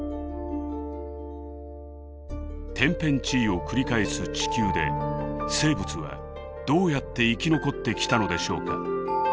天変地異を繰り返す地球で生物はどうやって生き残ってきたのでしょうか。